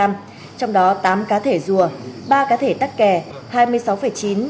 trong đó tám cá thể rùa ba cá thể tắc kè hai mươi sáu chín kg rắn hổ mang bành